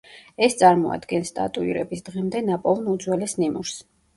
ეს წარმოადგენს ტატუირების დღემდე ნაპოვნ უძველეს ნიმუშს.